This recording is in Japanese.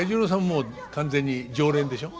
もう完全に常連でしょ？